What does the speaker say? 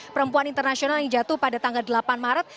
perempuan internasional yang jatuh pada tanggal delapan maret